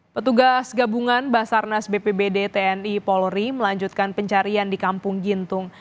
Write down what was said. petugas gabungan basarnas bpbd tni polri melanjutkan pencarian di kampung gintung